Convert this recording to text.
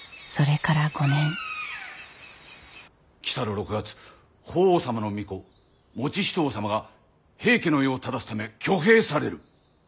６月法皇様の御子以仁王様が平家の世を正すため挙兵される。